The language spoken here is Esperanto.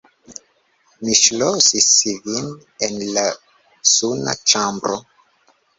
Mi ŝlosis vin en la suna ĉambro!